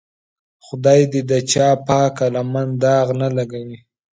خدای دې د چا پاکه لمن داغ نه لګوي.